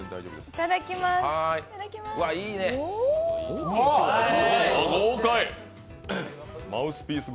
いただきまーす。